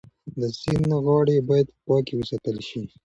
د سیند غاړې باید پاکې وساتل شي.